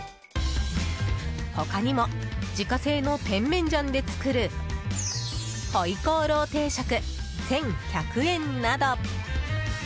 他にも、自家製の甜麺醤で作る回鍋肉定食、１１００円など。